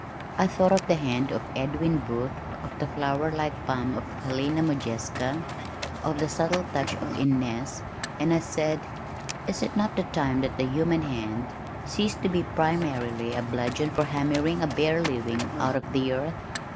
I thought of the hand of Edwin Booth, of the flower like palm of Helena Modjeska, of the subtle touch of Inness, and I said, "Is it not time that the human hand ceased to be primarily a bludgeon for hammering a bare living out of the earth?